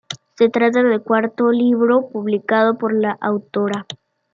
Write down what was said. Se trata del cuarto libro publicado por la autora.